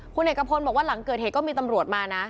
คุณเอกพลบอกว่าหลังเกิดเหตุก็มีตำรวจมานะ